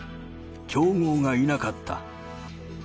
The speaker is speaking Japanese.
競合がいなかった。